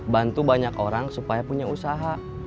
bantu banyak orang supaya punya usaha